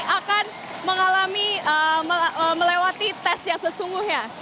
akan mengalami melewati tes yang sesungguhnya